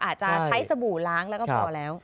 อาจจะใช้สบู่ล้างแล้วก็พอแล้ว